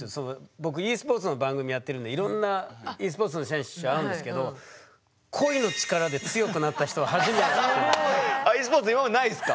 僕ｅスポーツの番組やってるんでいろんなｅスポーツの選手会うんですけどｅスポーツ今までないですか？